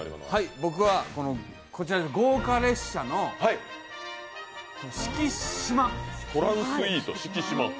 僕は豪華列車の四季島。